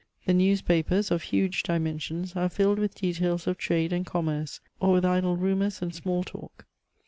The newspapers, of huge dimensions, are filled with details of trade and commerce, or with idle ru mours and small talk.